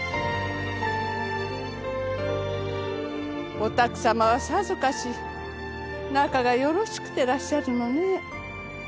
お宅さまはさぞかし仲がよろしくてらっしゃるのね。